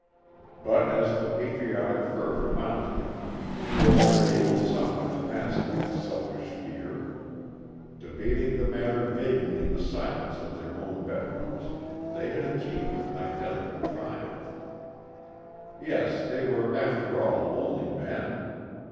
But as the patriotic fervor mounted in them, they were able somewhat to master this selfish fear. Debating the matter vaguely in the silence of their own bedrooms they had achieved an identical triumph. Yes, they were after all only men.